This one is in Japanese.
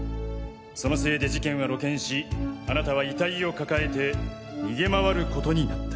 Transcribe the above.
そのせいで事件は露見しあなたは遺体を抱えて逃げ回ることになった。